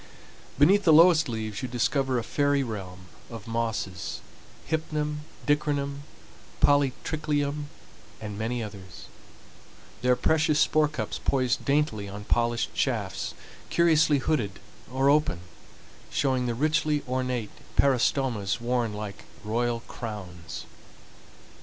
Beneath the lowest leaves you discover a fairy realm of mosses,—hypnum, dicranum, polytriclium, and many others,—their precious spore cups poised daintily on polished shafts, curiously hooded, or open, showing the richly ornate peristomas worn like royal crowns.